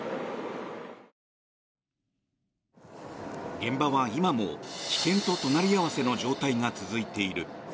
現場は今も危険と隣り合わせの状態が続いている。